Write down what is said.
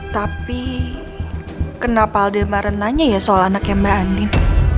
tapi kenapa aldeemar nanya ya soal anaknya mbak andin